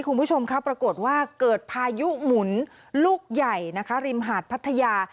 คุณผู้ชมครับปรากฏว่าเกิดพายุหมุนลูกใหญ่นะคะริมหาดพัทยา